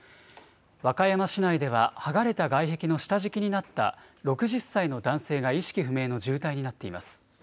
和歌山市内では剥がれた外壁の下敷きになった６０歳の男性が意識不明の重体になっています。